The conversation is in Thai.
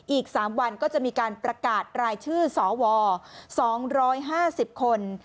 อีก๓วันก็จะมีการประกาศรายชื่อสว๒๕๐คน